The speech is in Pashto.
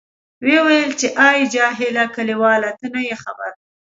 ویې ویل، چې آی جاهله کلیواله ته نه یې خبر.